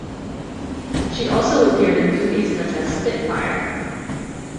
She also appeared in movies such as "Spit Fire".